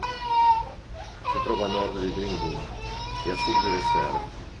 Si trova a nord di Glenwood e a sud di Reserve.